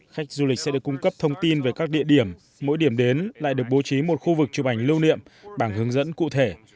khách du lịch sẽ được cung cấp thông tin về các địa điểm mỗi điểm đến lại được bố trí một khu vực chụp ảnh lưu niệm bảng hướng dẫn cụ thể